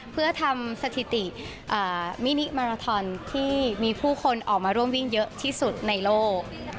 เพื่อทำสถิติมินิมาราทอนที่มีผู้คนออกมาร่วมวิ่งเยอะที่สุดในโลก